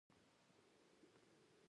دوی د نجونو د ښوونځي په اړه خاموش دي.